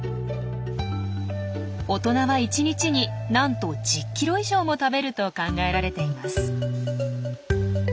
大人は１日になんと１０ｋｇ以上も食べると考えられています。